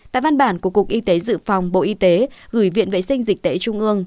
tại văn bản của cục y tế dự phòng bộ y tế gửi viện vệ sinh dịch tễ trung ương